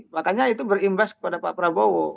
makanya itu berimbas kepada pak prabowo